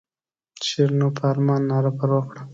شیرینو په ارمان ناره پر وکړه.